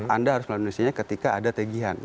anda harus melunasinya ketika ada tegihan